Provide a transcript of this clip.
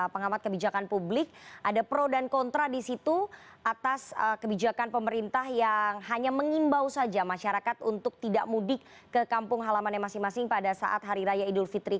pengamat kebijakan publik ada pro dan kontra di situ atas kebijakan pemerintah yang hanya mengimbau saja masyarakat untuk tidak mudik ke kampung halaman yang masing masing pada saat hari raya idul fitri